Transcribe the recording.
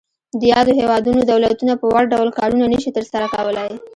د یادو هیوادونو دولتونه په وړ ډول کارونه نشي تر سره کولای.